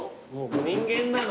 人間なの！